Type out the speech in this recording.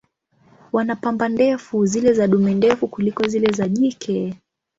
Wana pamba ndefu, zile za dume ndefu kuliko zile za jike.